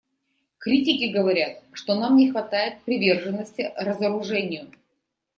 Критики говорят, что нам не хватает приверженности разоружению.